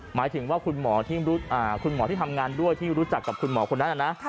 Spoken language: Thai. หมายถึงว่าคุณหมอที่ทำงานด้วยที่รู้จักกับคุณหมอคนนั้นนะ